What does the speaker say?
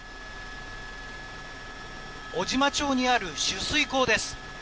小島町にある取水口です。